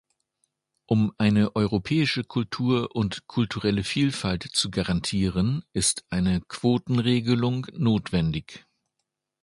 Um eine europäische Kultur und kulturelle Vielfalt zu garantieren, ist eine Quotenregelung notwendig.